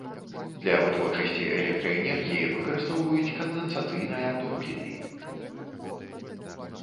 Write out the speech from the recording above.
Для вытворчасці электраэнергіі выкарыстоўваюць кандэнсацыйная турбіны.